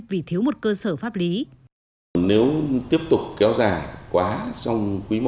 vì thiếu một cơ sở pháp lý